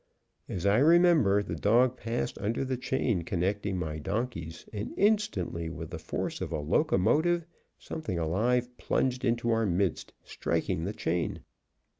As I remember, the dog passed under the chain connecting my donkeys, and instantly with the force of a locomotive something alive plunged in our midst, striking the chain.